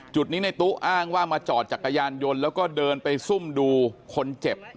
จุดนี้ในตู้อ้างว่ามาจอดจักรยานยนต์แล้วก็เดินไปซุ่มดูคนเจ็บ